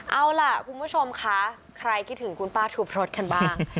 เอาล่ะคุณผู้ชมคะใครคิดถึงคุณป้าถูพรสกันบ้าง